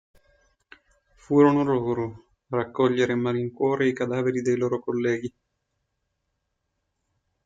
Furono loro a raccogliere a malincuore i cadaveri dei loro colleghi.